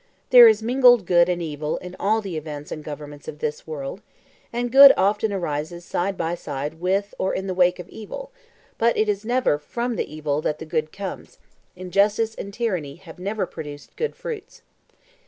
There is mingled good and evil in all the events and governments of this world, and good often arises side by side with or in the wake of evil, but it is never from the evil that the good comes; injustice and tyranny have never produced good fruits.